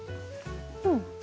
うん。